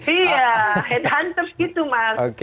iya headhunter gitu mas